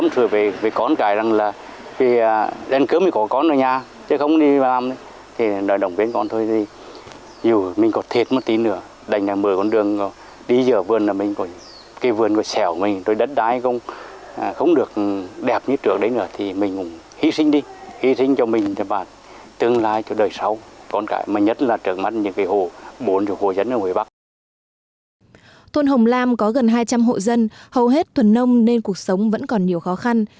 thôn hồng lam có gần hai trăm linh hộ dân hầu hết tuần nông nên cuộc sống vẫn còn nhiều khó khăn